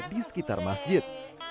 di sekitar masjid